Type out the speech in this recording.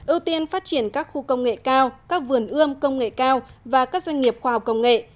ưu tiên phát triển các khu công nghệ cao các vườn ươm công nghệ cao và các doanh nghiệp khoa học công nghệ